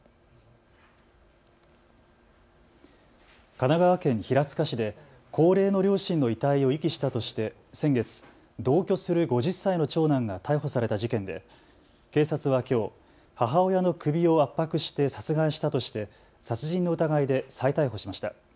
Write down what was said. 神奈川県平塚市で高齢の両親の遺体を遺棄したとして先月、同居する５０歳の長男が逮捕された事件で警察はきょう母親の首を圧迫して殺害したとして殺人の疑いで再逮捕しました。